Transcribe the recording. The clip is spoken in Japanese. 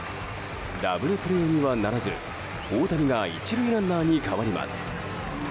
ダブルプレーにはならず、大谷が１塁ランナーに変わります。